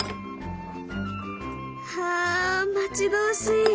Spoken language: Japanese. ああ待ち遠しい！